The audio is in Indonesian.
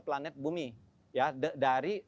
planet bumi dari